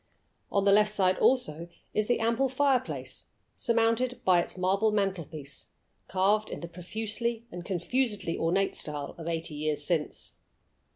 On the left side also is the ample fireplace, surmounted by its marble mantelpiece, carved in the profusely and confusedly ornate style of eighty years since.